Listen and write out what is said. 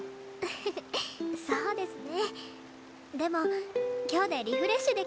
フフッそうですね。